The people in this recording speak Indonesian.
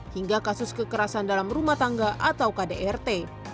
hingga kasus kekerasan dalam rumah tangga atau kdrt